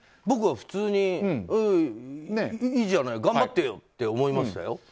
僕は普通に、いいじゃない頑張ってよって思いましたよ。